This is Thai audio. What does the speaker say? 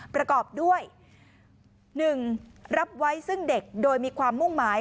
ประกอบด้วย๑รับไว้ซึ่งเด็กโดยมีความมุ่งหมาย